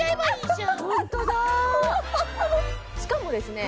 しかもですね